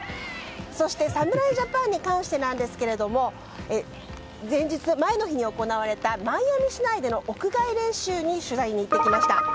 そして侍ジャパンに関してなんですが前の日に行われたマイアミ市内での屋外練習に取材に行ってきました。